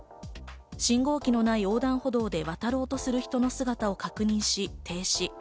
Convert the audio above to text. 信号機のない横断歩道で渡ろうとする人の姿を確認し、停止。